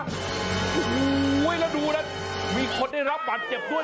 โอ้โหแล้วดูนะมีคนได้รับบาดเจ็บด้วย